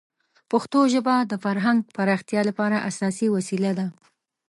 پښتو ژبه د فرهنګ پراختیا لپاره اساسي وسیله ده.